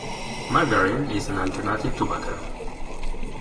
Margarine is an alternative to butter.